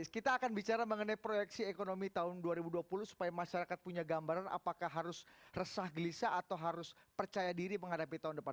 kita akan bicara mengenai proyeksi ekonomi tahun dua ribu dua puluh supaya masyarakat punya gambaran apakah harus resah gelisah atau harus percaya diri menghadapi tahun depan